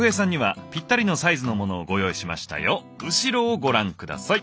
後ろをご覧下さい！